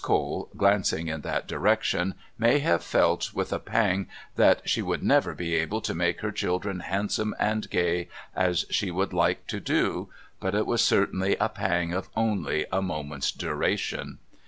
Cole, glancing in that direction, may have felt with a pang that she would never be able to make her children handsome and gay as she would like to do but it was certainly a pang of only a moment's duration.